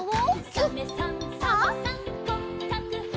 「サメさんサバさん」